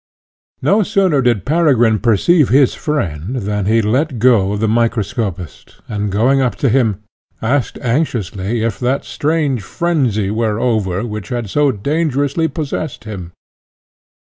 No sooner did Peregrine perceive his friend than he let go of the microscopist, and, going up to him, asked anxiously if that strange frenzy were over which had so dangerously possessed him.